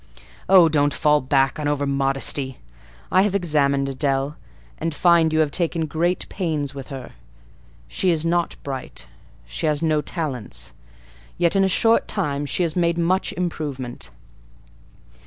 "Oh, don't fall back on over modesty! I have examined Adèle, and find you have taken great pains with her: she is not bright, she has no talents; yet in a short time she has made much improvement."